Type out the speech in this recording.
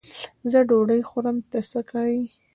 زه ډوډۍ خورم؛ ته څه که یې.